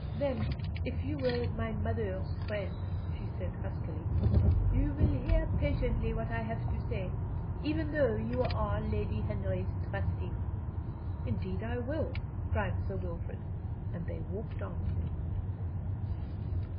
"Then if you were my mother's friend," she said, huskily, "you will hear patiently what I have to say, even though you are Lady Henry's trustee." "Indeed I will!" cried Sir Wilfrid, and they walked on.